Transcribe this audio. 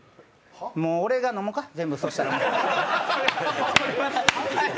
もう、俺が飲もか、全部、そしたら。